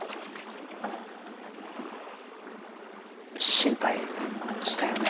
心配したよね。